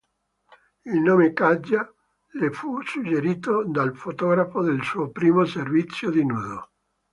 Il nome "Katja" le fu suggerito dal fotografo del suo primo servizio di nudo.